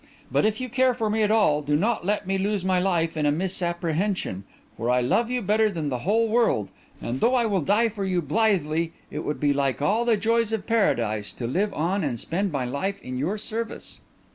But if you care for me at all do not let me lose my life in a misapprehension; for I love you better than the whole world; and though I will die for you blithely, it would be like all the joys of Paradise to live on and spend my life in your service."